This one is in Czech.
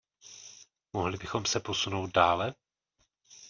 Mohli bychom se posunout dále?